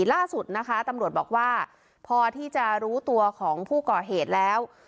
ล่าสุดนะคะตำรวจบอกว่าพอที่จะรู้ตัวของผู้ก่อเหตุแล้ว